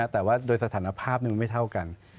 แต่ว่าโดยสถานภาพหนึ่งไม่เท่ากัน